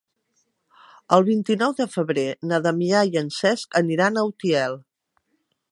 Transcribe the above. El vint-i-nou de febrer na Damià i en Cesc aniran a Utiel.